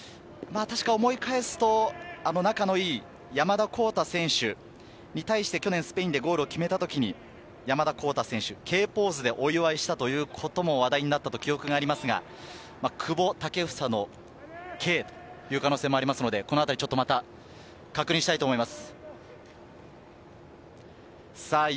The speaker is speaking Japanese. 思い返すと仲の良い山田康太選手に対して去年スペインでゴールを決めたときに、山田康太選手、Ｋポーズでお祝いしたということも話題になったと記憶にありますが、久保建英のＫという可能性もありますので、確認したいと思います。